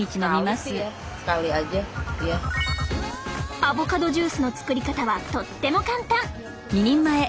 アボカドジュースの作り方はとっても簡単！